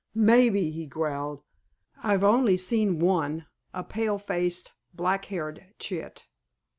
"Maybe!" he growled. "I've seen but one a pale faced, black haired chit."